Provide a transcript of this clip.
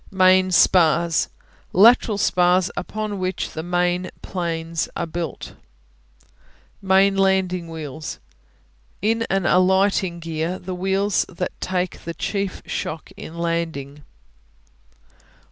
Main Spars Lateral spars upon which the main planes are built. Main Landing Wheels In an alighting gear, the wheels that take the chief shock in landing.